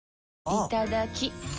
いただきっ！